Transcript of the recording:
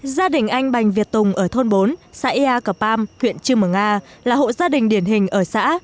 gia đình anh bành việt tùng ở thôn bốn xã ea cờ pam huyện chư mường a là hộ gia đình điển hình ở xã